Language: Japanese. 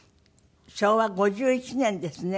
昭和５１年ですね。